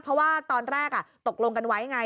เพราะว่าตอนแรกตกลงกันไว้ไง